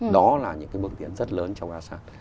đó là những cái bước tiến rất lớn trong asean